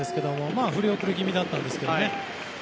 まあ振り遅れ気味だったんですけど。